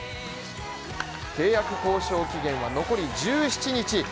契約交渉期限は残り１７日。